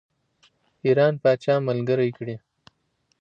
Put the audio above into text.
ایران پاچا ملګری کړي.